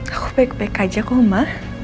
aku baik baik aja kok mah